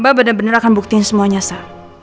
mbak benar benar akan buktiin semuanya sa